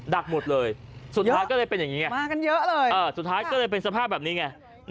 ดักหมดเลยสุดท้ายก็เลยเป็นอย่างนี้มากันเยอะเลยสุดท้ายก็เลยเป็นสภาพแบบนี้ไง